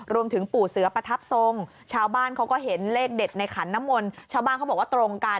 ปู่เสือประทับทรงชาวบ้านเขาก็เห็นเลขเด็ดในขันน้ำมนต์ชาวบ้านเขาบอกว่าตรงกัน